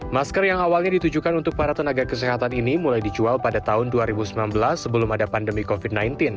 masker yang awalnya ditujukan untuk para tenaga kesehatan ini mulai dijual pada tahun dua ribu sembilan belas sebelum ada pandemi covid sembilan belas